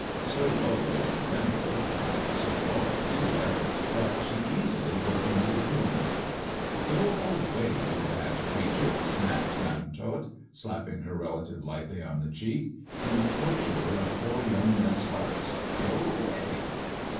So low was the window, and so tall Celia, that she easily looked into the room. 130 THE dwarf's chamber " Go away, you bad creature," snapped Madam V slapping her relative lightly on the cheek ;" you tortiu of poor young men's hearts, go away."